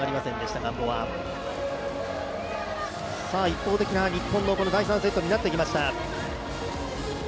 一方的な日本の第３セットになってきました。